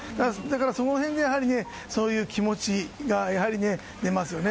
その辺でそういう気持ちが出ますよね。